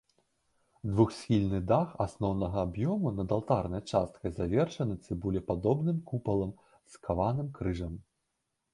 Двухсхільны дах асноўнага аб'ёму над алтарнай часткай завершаны цыбулепадобным купалам з каваным крыжам.